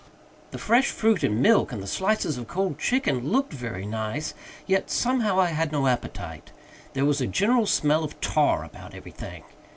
The fresh fruit and milk, and the slices of cold chicken, looked very nice; yet somehow I had no appetite There was a general smell of tar about everything.